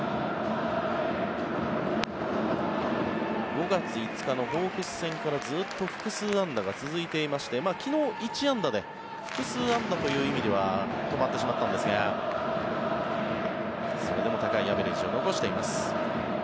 ５月５日のホークス戦からずっと複数安打が続いていまして昨日、１安打で複数安打という意味では止まってしまったんですがそれでも高いアベレージを残しています。